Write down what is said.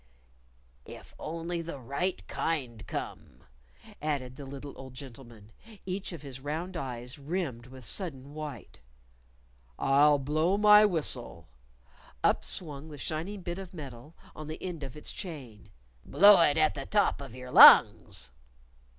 "If only the right kind come!" added the little old gentleman, each of his round eyes rimmed with sudden white. "I'll blow my whistle." Up swung the shining bit of metal on the end of its chain. "Blow it at the top of your lungs!"